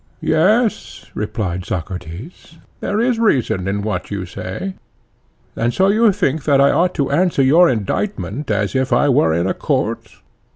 Yes, replied Socrates; there is reason in what you say. And so you think that I ought to answer your indictment as if I were in a court?